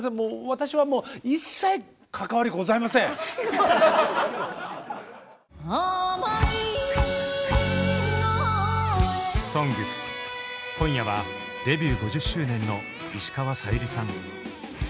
私はもう「ＳＯＮＧＳ」今夜はデビュー５０周年の石川さゆりさん。